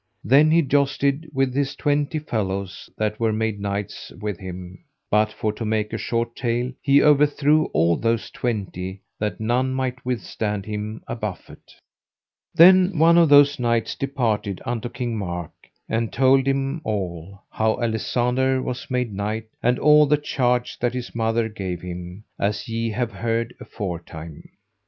Then he jousted with his twenty fellows that were made knights with him, but for to make a short tale, he overthrew all those twenty, that none might withstand him a buffet. Then one of those knights departed unto King Mark, and told him all, how Alisander was made knight, and all the charge that his mother gave him, as ye have heard afore time.